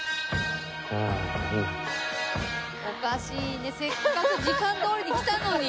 おかしいねせっかく時間どおりに来たのに。